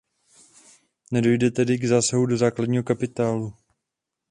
Nedojde tedy k zásahu do základního kapitálu.